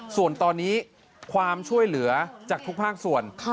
ส่วนตอนนี้ความช่วยเหลือจากทุกภาคส่วน